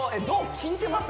きいてます